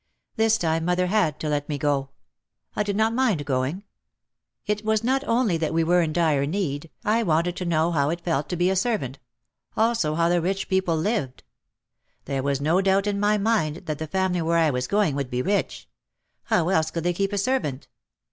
This time mother had to let me go. I did not mind going. It was not only that we were in dire need, I wanted to know how it felt to be a servant; also how the rich people lived. There was no doubt in my mind that the family where I was going would be rich. How else could they keep a servant?